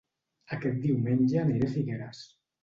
Aquest diumenge aniré a Figueres